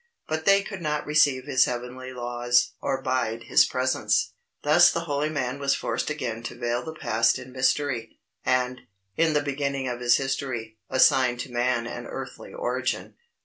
But they could not receive His heavenly laws, or bide His presence. Thus the holy man was forced again to veil the past in mystery, and, in the beginning of his history, assign to man an earthly origin.